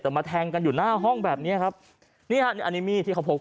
แต่มาแทงกันอยู่หน้าห้องแบบนี้ครับเนี้ยอันนี้มีที่เขาพลกไป